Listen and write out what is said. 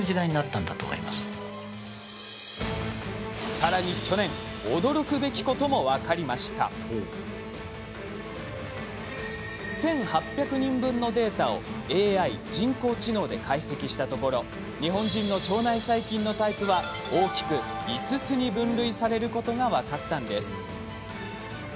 更に去年驚くべきことも分かりました１，８００人分のデータをＡＩ人工知能で解析したところ日本人の腸内細菌のタイプは大きく５つに分類されることが分かったんです